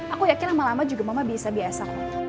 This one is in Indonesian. aku yakin lama lama juga mama bisa biasa